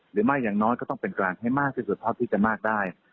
หรือไม่อย่างน้อยก็ต้องเป็นกลางให้มากที่สุดเท่าที่จะมากได้